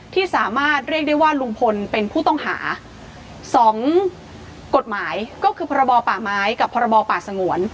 ที่สามารถเรียกได้ว่าลุงพลเป็นผู้ต้องหาสองกฎหมายก็คือพรบป่าไม้กับพรบป่าสงวน